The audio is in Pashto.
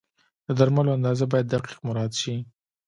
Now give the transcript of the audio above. د درملو اندازه باید دقیق مراعت شي.